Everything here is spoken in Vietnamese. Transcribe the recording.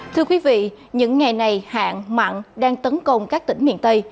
thưa quý vị những ngày này hạn mặn đang tấn công các tỉnh miền tây